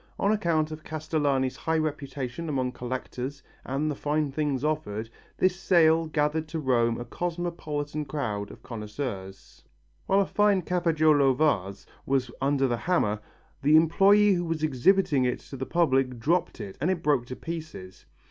On account of Castellani's high reputation among collectors and the fine things offered, this sale gathered to Rome a cosmopolitan crowd of connoisseurs. While a fine Cafaggiolo vase was under the hammer, the employé who was exhibiting it to the public dropped it and it broke to pieces.